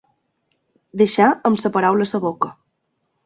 Deixar amb la paraula a la boca.